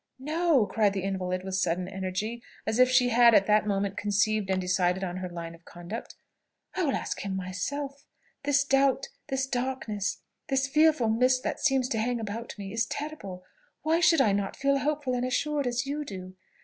"No!" cried the invalid with sudden energy, as if she had at that moment conceived and decided on her line of conduct. "I will ask him myself! This doubt, this darkness, this fearful mist that seems to hang about me, is terrible. Why should I not feel hopeful and assured as you do?